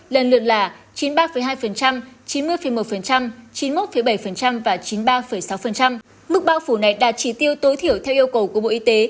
lần lượt là chín mươi ba hai chín mươi một chín mươi một bảy và chín mươi ba sáu mức bao phủ này đạt chỉ tiêu tối thiểu theo yêu cầu của bộ y tế